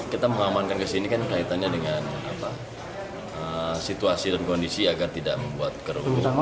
kita mengamankan kesini kan kaitannya dengan situasi dan kondisi agar tidak membuat kerugian